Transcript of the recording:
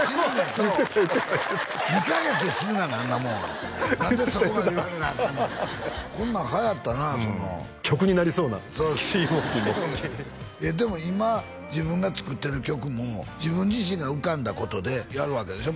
それも言ってた言ってた２カ月で死ぬがなあんなもんは何でそこまで言われなアカンねんこんなんはやったな曲になりそうなシーモンキーもでも今自分が作ってる曲も自分自身が浮かんだことでやるわけでしょ？